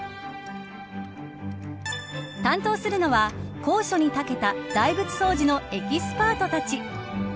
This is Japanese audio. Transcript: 担当するのは高所に長けた大仏掃除のエキスパートたち。